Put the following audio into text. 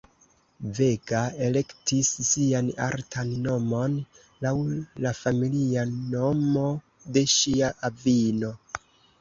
Vega elektis sian artan nomon laŭ la familia nomo de ŝia avino.